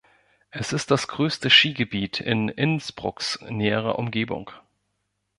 Es ist das größte Skigebiet in Innsbrucks näherer Umgebung.